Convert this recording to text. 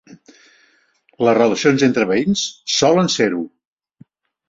Les relacions entre veïns solen ser-ho.